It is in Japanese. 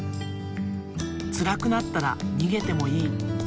つらくなったらにげてもいい。